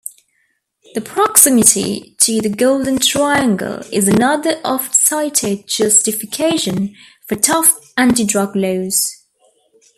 The proximity to the Golden Triangle is another oft-cited justification for tough anti-drug laws.